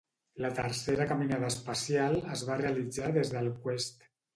La tercera caminada espacial es va realitzar des del "Quest".